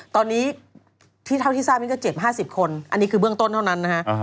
ตอนนี้ที่เท่าที่ทราบนี่ก็เจ็บ๕๐คนอันนี้คือเบื้องต้นเท่านั้นนะฮะ